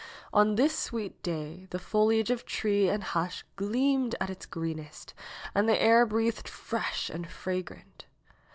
On this sweet day the foliage of tree and hush gleamed at its greenest and the air breathed fresh and fragrant.